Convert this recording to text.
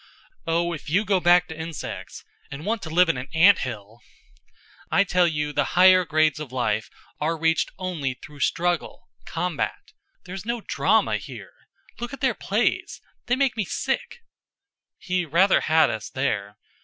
"Oh, if you go back to insects and want to live in an anthill ! I tell you the higher grades of life are reached only through struggle combat. There's no Drama here. Look at their plays! They make me sick." He rather had us there.